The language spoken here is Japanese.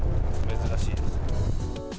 珍しいですね。